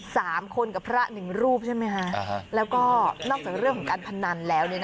สามคนกับพระหนึ่งรูปใช่ไหมคะแล้วก็นอกจากเรื่องของการพนันแล้ว